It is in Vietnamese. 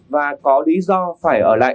và có lý do phải ở lại